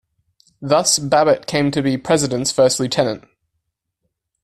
Thus, Babbitt came to be "President"s first lieutenant.